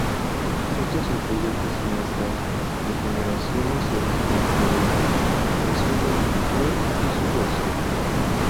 Estos influyentes cineastas, de generaciones y orígenes diferentes, presentan su visión y su versión.